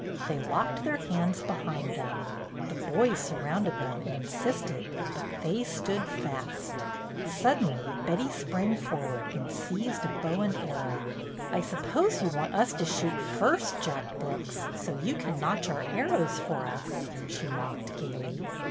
They locked their hands behind them. The boys surrounded them and insisted, but they stood fast. Suddenly Betty sprang forward and seized a bow and arrow. "I suppose you want us to shoot first, Jack Brooks, so you can notch our arrows for us," she mocked gayly.